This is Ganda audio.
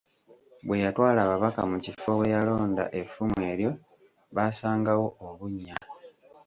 Bwe yatwala ababaka mu kifo we yalonda effumu eryo, baasangawo obunnya.